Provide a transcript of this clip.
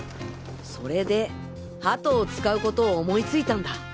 それでハトを使うことを思いついたんだ。